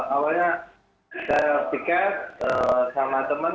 awalnya saya pikir sama teman